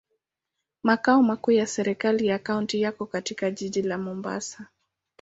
Makao makuu ya serikali ya kaunti yako katika jiji la Mombasa.